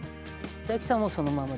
大吉さんもそのままで。